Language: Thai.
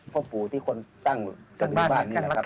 พระบู่ที่คุณเป็นคนตั้งซักบริกบ้านนี่แหละครับ